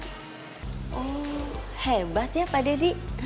oh hebat ya pak deddy